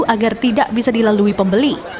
agar tidak bisa dilalui pembeli